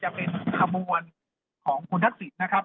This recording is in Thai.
ถ้าที่ผมสังเกตดูด้านหน้าของผมจะเป็นของคุณทักษิตนะครับ